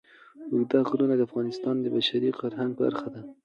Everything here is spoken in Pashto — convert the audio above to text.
اوږده غرونه د افغانستان د بشري فرهنګ برخه ده.